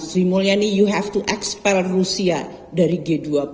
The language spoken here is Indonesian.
sri mulyani you have to expel rusia dari g dua puluh